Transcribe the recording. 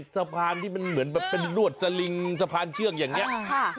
สะพานที่มันเหมือนแบบเป็นรวดสลิงสะพานเชื่องอย่างนี้